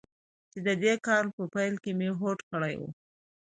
چې د دې کال په پیل کې مې هوډ کړی و.